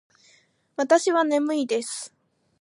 わたしはねむいです。